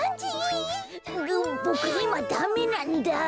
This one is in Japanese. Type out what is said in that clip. ボボクいまダメなんだ。